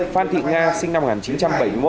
phan thị nga sinh năm một nghìn chín trăm bảy mươi một